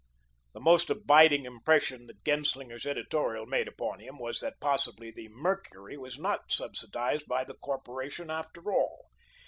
The most abiding impression that Genslinger's editorial made upon him was, that possibly the "Mercury" was not subsidised by the corporation after all.